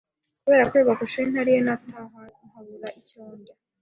kubera kwirirwa ku ishuri ntariye, nanataha nkabura icyo ndya,